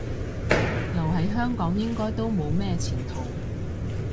留喺香港應該都冇咩前途